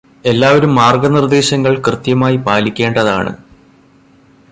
എല്ലാവരും മാര്ഗനിര്ദേശങ്ങള് കൃത്യമായി പാലിക്കേണ്ടതാണ്.